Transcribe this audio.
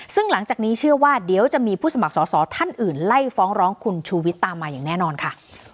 ซึ่งหลังจากนี้เชื่อว่าเดี๋ยวจะมีผู้สมัครสอสอท่านอื่นไล่ฟ้องร้องคุณชูวิทย์ตามมาอย่างแน่นอนค่ะ